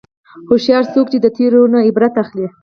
هوښیار څوک دی چې د تېرو نه عبرت اخلي.